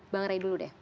bang ray dulu deh